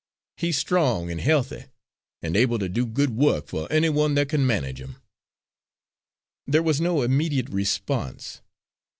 He's strong and healthy and able to do good work for any one that can manage him." There was no immediate response.